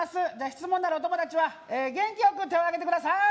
質問のあるお友達は元気よく手を挙げてくださーい